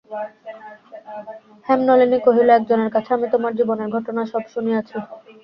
হেমনলিনী কহিল, একজনের কাছে আমি তোমার জীবনের ঘটনা সব শুনিয়াছি।